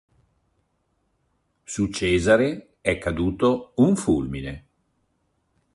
Su Cesare è caduto un fulmine.